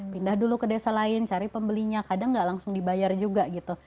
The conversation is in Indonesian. pindah dulu ke desa lain cari pembelinya kadang nggak langsung dibayar juga gitu